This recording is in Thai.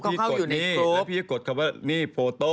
เขาเข้าอยู่ในกรุ๊ปพี่กดนี่แล้วพี่ก็กดคำว่านี่โฟโต้